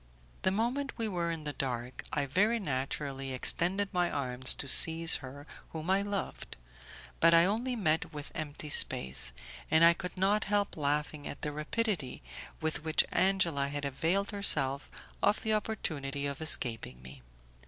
The moment we were in the dark, I very naturally extended my arms to seize her whom I loved; but I only met with empty space, and I could not help laughing at the rapidity with which Angela had availed herself of the opportunity of escaping me.